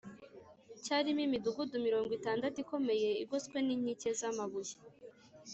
cyarimo imidugudu mirongo itandatu ikomeye igoswe n’inkike z’amabuye